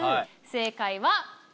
正解は。